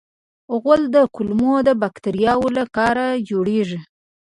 غول د کولمو باکتریاوو له کاره جوړېږي.